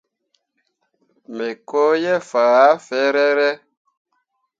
Me ko ye faa yah firere.